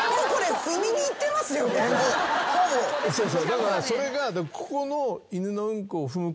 だからそれがここの。